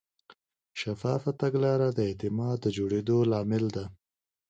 شفافه تګلاره د اعتماد د جوړېدو لامل ده.